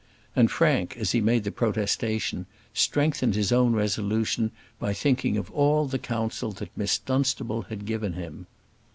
And Frank, as he made the protestation, strengthened his own resolution by thinking of all the counsel that Miss Dunstable had given him.